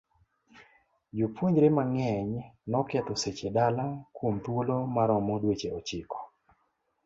Jopuonjre mang'eny noketho seche dala kuom thuolo maromo dweche ochiko.